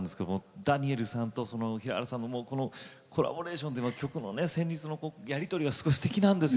ダニエルさんと平原さんのコラボレーションというか旋律のやり取りがすてきなんですよ。